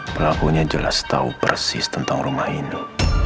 pelakunya jelas tahu persis tentang rumah indo